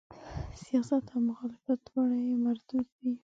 سیاست او مخالفت دواړه یې مردود دي.